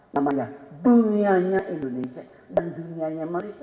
namanya dunianya indonesia dan dunianya malaysia